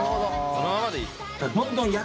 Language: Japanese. そのままでいい。